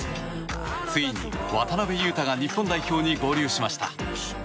ついに渡邊雄太が日本代表に合流しました。